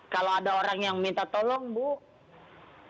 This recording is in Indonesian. kalau ada orang yang minta tolong bu anterin ke situ pak